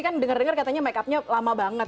kan denger denger katanya makeupnya lama banget